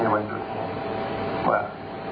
ในวัญกึ่งว่า